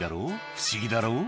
不思議だろ？」